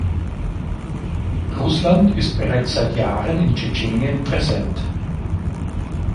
Russland ist bereits seit Jahren in Tschetschenien präsent.